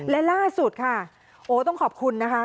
และล่าสุดค่ะโอ้ต้องขอบคุณนะคะ